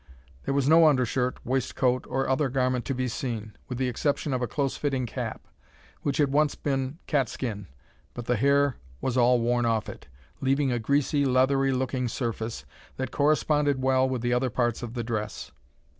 There was no undershirt, waistcoat, or other garment to be seen, with the exception of a close fitting cap, which had once been cat skin, but the hair was all worn off it, leaving a greasy, leathery looking surface, that corresponded well with the other parts of the dress.